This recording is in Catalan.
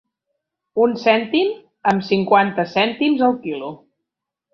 Un cèntim amb cinquanta cèntims el quilo.